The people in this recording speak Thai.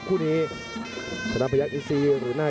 ทุกคนค่ะ